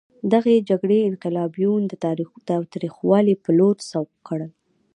دغې جګړې انقلابیون د تاوتریخوالي په لور سوق کړل.